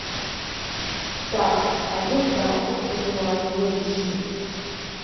Саб, адәыӷба аацыԥхьаӡа уаанаго џьысшьоит.